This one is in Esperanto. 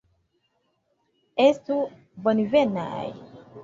Estu bonvenaj!